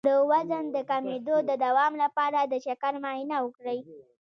د وزن د کمیدو د دوام لپاره د شکر معاینه وکړئ